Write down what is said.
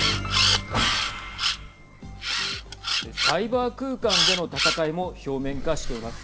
サイバー空間での戦いも表面化しています。